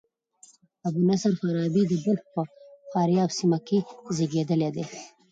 ابو نصر فارابي د بلخ په فاریاب سیمه کښي زېږېدلى دئ.